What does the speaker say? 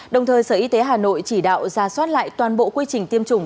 đồng thời sở y tế hà nội chỉ đạo ra soát lại toàn bộ quy trình tiêm chủng